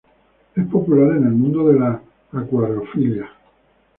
Es popular en el mundo de la acuariofilia.